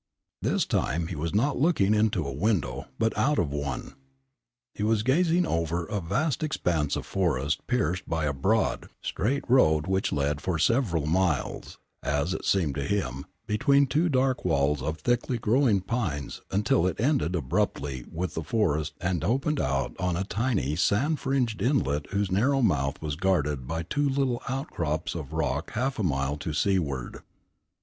This time he was not looking into a window, but out of one. He was gazing over a vast expanse of forest pierced by a broad, straight road which led for several miles, as it seemed to him, between two dark walls of thickly growing pines until it ended abruptly with the forest and opened out on a tiny sand fringed inlet whose narrow mouth was guarded by two little outcrops of rock half a mile to seaward.